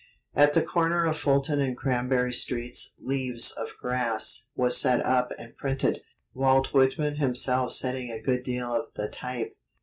At the corner of Fulton and Cranberry streets "Leaves of Grass" was set up and printed, Walt Whitman himself setting a good deal of the type.